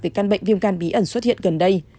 về căn bệnh viêm gan bí ẩn xuất hiện gần đây